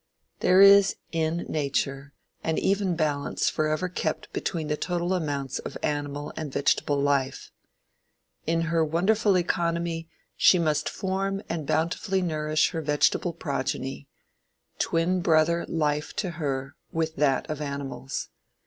There is, in Nature, an even balance forever kept between the total amounts of animal and vegetable life. "In her wonderful economy she must form and bountifully nourish her vegetable progeny twin brother life to her, with that of animals.